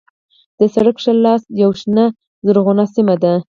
د سړک ښی لاس یوه شنه زرغونه سیمه ده.